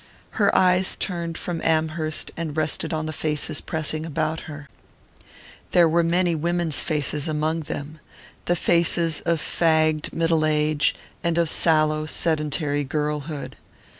Her eyes turned from Amherst and rested on the faces pressing about her. There were many women's faces among them the faces of fagged middle age, and of sallow sedentary girlhood.